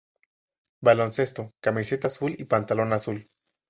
Baloncesto: Camiseta Azul y Pantalón Azul.